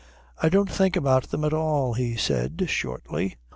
"I don't think about them at all," he said shortly.